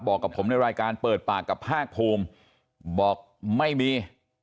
บอกกับผมในรายการเปิดปากกับภาคภูมิบอกไม่มี